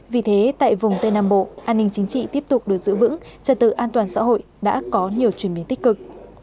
vì thế tại vùng tây nam bộ an ninh chính trị tiếp tục được giữ vững trật tự an toàn xã hội đã có nhiều chuyển biến tích cực